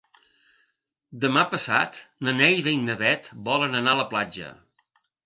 Demà passat na Neida i na Bet volen anar a la platja.